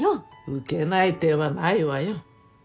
受けない手はないわよ。